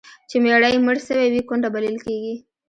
چي میړه یې مړ سوی وي، کونډه بلل کیږي.